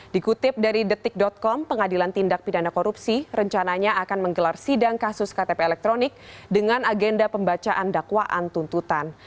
dikutip dari detik com pengadilan tindak pidana korupsi rencananya akan menggelar sidang kasus ktp elektronik dengan agenda pembacaan dakwaan tuntutan